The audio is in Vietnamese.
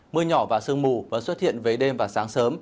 mưa nhỏ và sương mù vẫn xuất hiện về đêm và sáng sớm